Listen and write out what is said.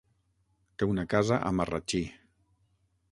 Té una casa a Marratxí.